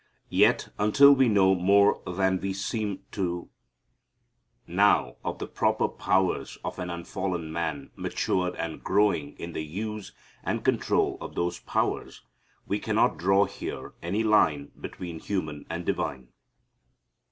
Yet until we know more than we seem to now of the proper powers of an unfallen man matured and growing in the use and control of those powers we cannot draw here any line between human and divine.